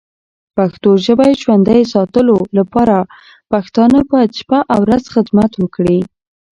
پښتو ژبی ژوندی ساتلو لپاره پښتانه باید شپه او ورځ خدمت وکړې.